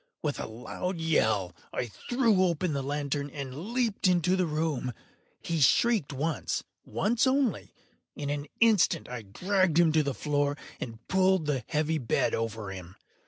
With a loud yell, I threw open the lantern and leaped into the room. He shrieked once—once only. In an instant I dragged him to the floor, and pulled the heavy bed over him.